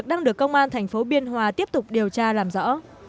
đang được công an thành phố biên hòa tiếp tục điều tra làm rõ